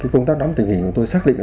công tác lắm tình hình tôi xác định